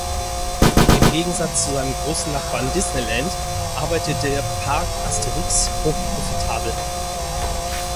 Im Gegensatz zu seinem großen Nachbarn Disneyland arbeitet der Parc Asterix hoch profitabel.